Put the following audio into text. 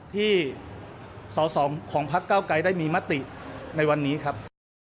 ที่สอสอของพักเก้าไกรได้มีมติในวันนี้ครับ